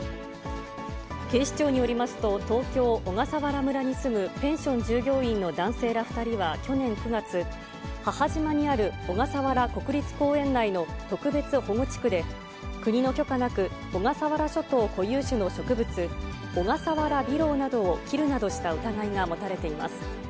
警視庁によりますと、東京・小笠原村に住むペンション従業員の男性ら２人は去年９月、母島にある小笠原国立公園内の特別保護地区で、国の許可なく、小笠原諸島固有種の植物、オガサワラビロウなどを切るなどした疑いが持たれています。